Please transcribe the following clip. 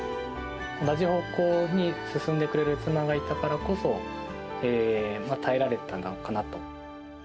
同じ方向に進んでくれる妻がいたからこそ、耐えられたのかなと。